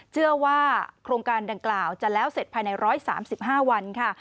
เชื่อว่าโครงการดังกล่าวจะแล้วเสร็จภายใน๑๓๕วันค่ะ